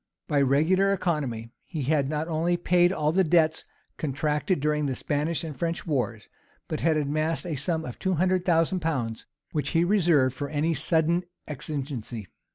By regular economy, he had not only paid all the debts contracted during the Spanish and French wars, but had amassed a sum of two hundred thousand pounds, which he reserved for any sudden exigency.